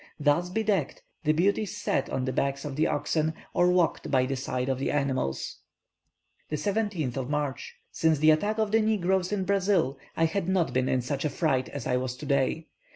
Thus bedecked, the beauties sat on the backs of the oxen, or walked by the side of the animals. 17th March. Since the attack of the negroes in Brazil, I had not been in such a fright as I was today.